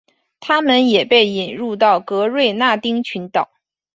它们也被引入到格瑞纳丁群岛。